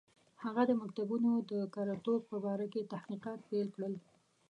هغه د مکتوبونو د کره توب په باره کې تحقیقات پیل کړل.